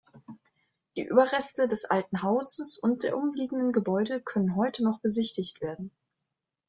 Die Überreste des alten Hauses und der umliegenden Gebäude können heute noch besichtigt werden.